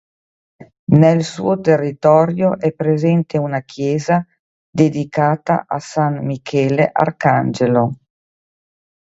Nel suo territorio è presente una chiesa dedicata a san Michele Arcangelo.